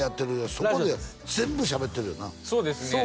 そこで全部しゃべってるよなそうですね